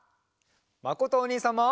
まことおにいさんも！